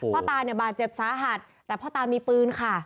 ตาเนี่ยบาดเจ็บสาหัสแต่พ่อตามีปืนค่ะ